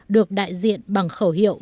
được đại diện bằng khẩu hiệu